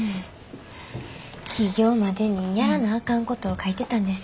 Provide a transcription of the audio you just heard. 起業までにやらなあかんことを書いてたんです。